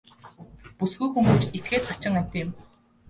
Бүсгүй хүн гэж этгээд хачин амьтан юм.